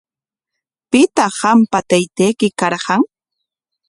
¿Pitaq qampa taytayki karqan?